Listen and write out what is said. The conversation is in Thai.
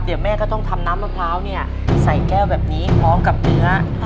เดี๋ยวแม่ก็ต้องทำน้ำมะพร้าวเนี่ยใส่แก้วแบบนี้พร้อมกับเนื้อ